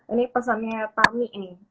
ini pesannya tami ini